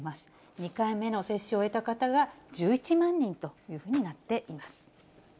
２回目の接種を終えた方が１１万人というふうになっています。